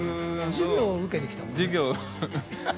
授業受けに来たもんね。